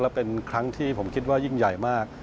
และเป็นครั้งที่ผมคิดว่ายิ่งใหญ่มาก